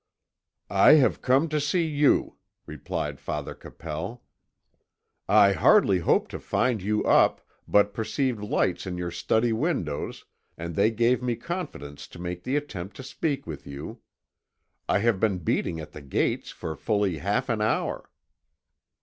"I have come to see you," replied Father Capel. "I hardly hoped to find you up, but perceived lights in your study windows, and they gave me confidence to make the attempt to speak with you. I have been beating at the gates for fully half an hour."